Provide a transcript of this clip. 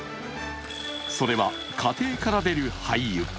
それは家庭から出る廃油。